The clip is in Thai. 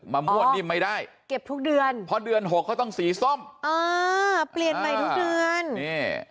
ม่วนนิ่มไม่ได้เก็บทุกเดือนเพราะเดือนหกเขาต้องสีส้มเออเปลี่ยนใหม่ทุกเดือนนี่